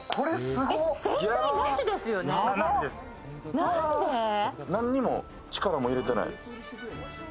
なんにも力も入れてない。